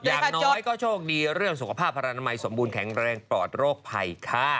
อย่างน้อยก็โชคดีเรื่องสุขภาพพระนามัยสมบูรณแข็งแรงปลอดโรคภัยค่ะ